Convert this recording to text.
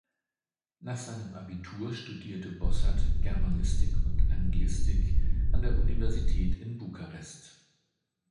Nach seinem Abitur studierte Bossert Germanistik und Anglistik an der Universität in Bukarest.